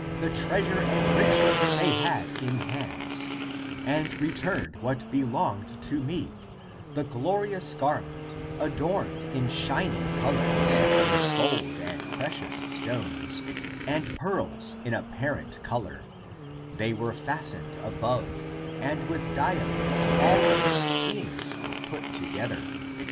The treasure and riches they had in hands And returned, what belonged to me, The glorious garment, Adorned in shining colors With gold and precious stones And pearls in apparent color — They were fastened above, <And with diamonds all its seams were put to gether.